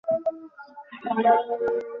Light off করো।